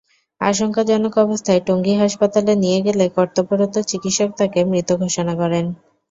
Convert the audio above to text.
আশঙ্কাজনক অবস্থায় টঙ্গী হাসপাতালে নিয়ে গেলে কর্তব্যরত চিকিৎসক তাঁকে মৃত ঘোষণা করেন।